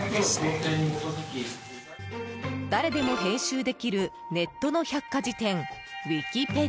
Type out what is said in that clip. ［誰でも編集できるネットの百科事典］